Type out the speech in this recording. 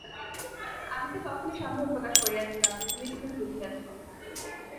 আমি তো তখনই সন্দেহ প্রকাশ করিয়াছিলাম যে তুমি ভুল বুঝিয়াছ।